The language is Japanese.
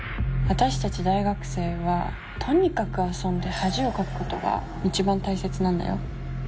私達大学生はとにかく遊んで恥をかくことが一番大切なんだよ